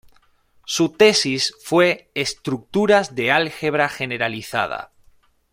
Su tesis fue Estructuras de Álgebra Generalizada.